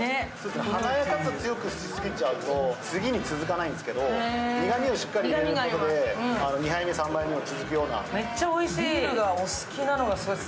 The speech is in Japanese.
華やかさを強くしすぎちゃうと次に続かないんですけど、苦みをしっかり入れることで２杯目、３杯目も続くような。